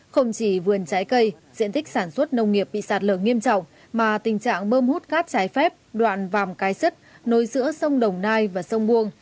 không chỉ vườn trái cây diện tích sản xuất nông nghiệp bị sạt lở nghiêm trọng mà tình trạng bơm hút cát trái phép đoạn vàm cái sứt nối giữa sông đồng nai và sông buông